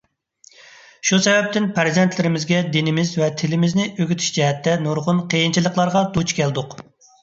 شۇ سەۋەبتىن پەرزەنتلىرىمىزگە دىنىمىز ۋە تىلىمىزنى ئۆگىتىش جەھەتتە نۇرغۇن قىيىنچىلىقلارغا دۇچ كەلدۇق.